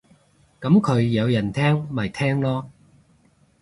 噉佢有人聽咪聽囉